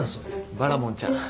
バラモンちゃん。